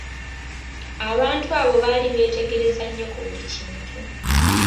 Abantu abo baali beetegereza nnyo ku buli kintu.